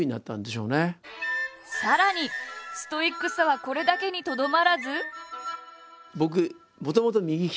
さらにストイックさはこれだけにとどまらず。